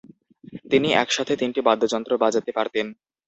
তিনি একসাথে তিনটি বাদ্যযন্ত্র বাজাতে পারতেন।